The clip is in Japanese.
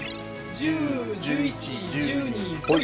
１０１１１２ほい。